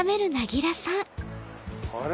あれ？